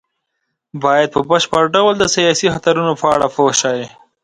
بايد په بشپړ ډول د سياسي خطرونو په اړه پوه شي.